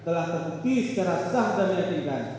telah terbukti secara sah dan meyakinkan